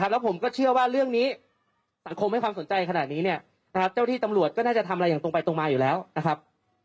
แล้วผมก็เชื่อว่าเรื่องนี้สังคมให้ความสนใจขนาดนี้เนี่ยนะครับเจ้าที่ตำรวจก็น่าจะทำอะไรอย่างตรงไปตรงมาอยู่แล้วนะครับ